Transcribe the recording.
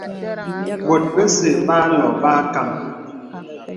Bòt bəsɛ̄ bə âlɔ bə âkam.